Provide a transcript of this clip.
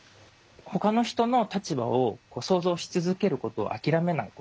ほかの人の立場を想像し続けることを諦めないこと。